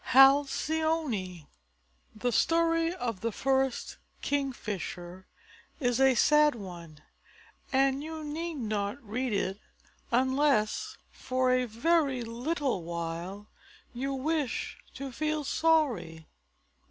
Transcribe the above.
HALCYONE The story of the first Kingfisher is a sad one, and you need not read it unless for a very little while you wish to feel sorry.